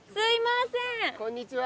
こんにちは。